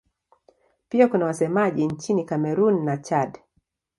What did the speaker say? Pia kuna wasemaji nchini Kamerun na Chad.